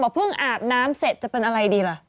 เพิ่งอาบน้ำเสร็จจะเป็นอะไรดีล่ะ